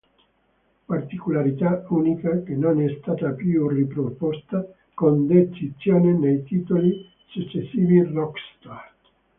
Particolarità unica, che non è stata più riproposta con decisione nei titoli successivi Rockstar.